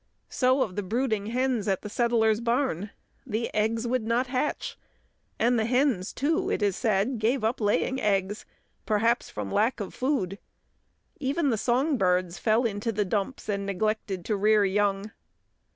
So of the brooding hens at the settler's barn: the eggs would not hatch, and the hens, too, it is said, gave up laying eggs, perhaps from lack of food. Even the song birds fell into the "dumps" and neglected to rear young.